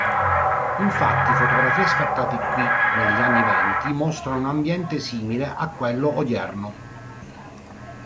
Infatti, fotografie scattate qui negli anni venti mostrano un ambiente simile a quello odierno.